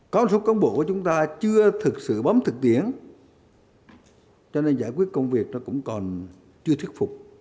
có một số công bộ của chúng ta chưa thực sự bấm thực tiễn cho nên giải quyết công việc nó cũng còn chưa thuyết phục